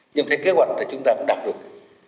nhưng theo kế hoạch thì chúng ta cũng đạt được